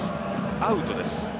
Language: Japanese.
アウトです。